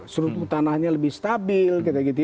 serutu tanahnya lebih stabil